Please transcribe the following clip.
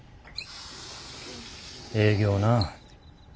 営業なぁ。